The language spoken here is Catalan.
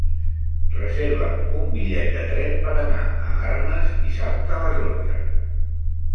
Reserva'm un bitllet de tren per anar a Arnes dissabte a les onze.